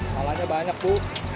salahnya banyak bu